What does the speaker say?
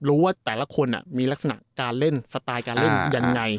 รู้ว่าแต่ละคนมีลักษณะการเล่นสไตล์การเล่นยังไง